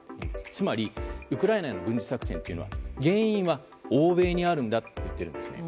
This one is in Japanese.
つまり、ウクライナへの軍事作戦というのは原因は欧米にあるんだと言っているんですね。